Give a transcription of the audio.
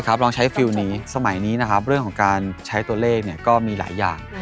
ลองใช้ฟิลลนี้สมัยนี้นะครับเรื่องของการใช้ตัวเลขเนี่ยก็มีหลายอย่าง